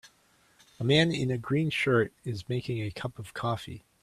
A man in a green shirt is making a cup of coffee.